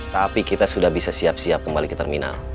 tapi kita sudah bisa siap siap kembali ke terminal